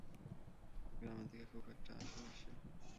গ্রামের দিকে খুব একটা আসে না সে।